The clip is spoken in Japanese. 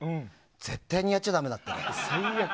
絶対にやっちゃダメだってね。